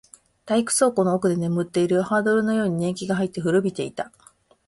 体育倉庫の奥で眠っているハードルのように年季が入って、古びていた